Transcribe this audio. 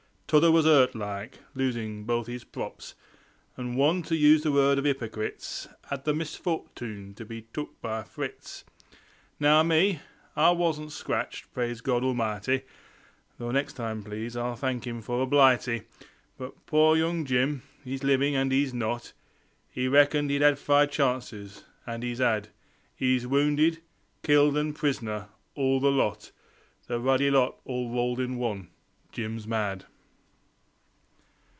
T'other was hurt, like, losin' both 'is props. An' one, to use the word of 'ypocrites, 'Ad the misfortoon to be took by Fritz. Now me, I wasn't scratched, praise God Almighty (Though next time please I'll thank 'im for a blighty), But poor young Jim, 'e's livin' an' 'e's not; 'E reckoned 'e'd five chances, an' 'e's 'ad; 'E's wounded, killed, and pris'ner, all the lot The ruddy lot all rolled in one. Jim's mad.